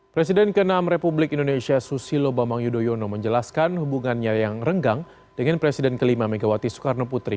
presiden ke enam republik indonesia susilo bambang yudhoyono menjelaskan hubungannya yang renggang dengan presiden kelima megawati soekarno putri